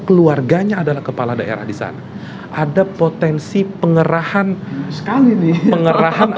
keluarganya adalah kepala daerah di sana ada potensi pengerahan sekali nih pengerahan